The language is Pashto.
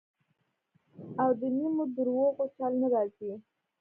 او د نیمو درواغو چل نه راځي.